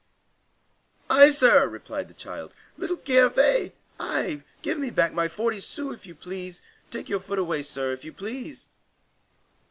"I, sir," replied the child. "Little Gervais! I! Give me back my forty sous, if you please! Take your foot away, sir, if you please!"